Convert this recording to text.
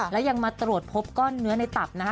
และยังมาตรวจพบก้อนเนื้อในตับนะคะ